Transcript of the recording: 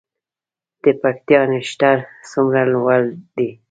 د پکتیا نښتر څومره لوړ دي؟